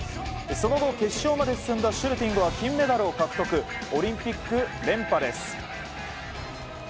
その後、決勝まで進んだシュルティングはオリンピック連覇です。